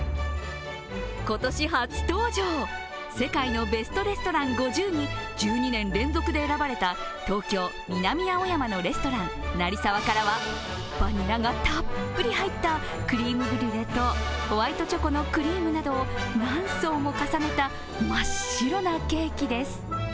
今年初登場、世界のベストレストラン５０に１２年連続で選ばれた東京・南青山のレストラン、ＮＡＲＩＳＡＷＡからはバナナがたっぷり入ったクリームブリュレとホワイトチョコのクリームなどを何層も重ねた真っ白なケーキです。